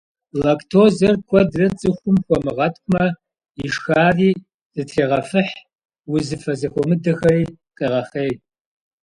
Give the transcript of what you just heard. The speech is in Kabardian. Лактозэр куэдрэ цӀыхум хуэмыгъэткӀумэ, ишхари зэтрегъэфыхь, узыфэ зэхуэмыдэхэри къегъэхъей.